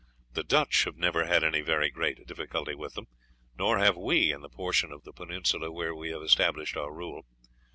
The Dutch have never had any very great difficulty with them, nor have we in the portion of the peninsula where we have established our rule.